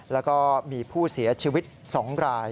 แล้วก็มีผู้เสียชีวิต๒ราย